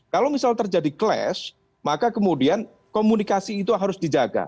kalau misal terjadi clash maka kemudian komunikasi itu harus dijaga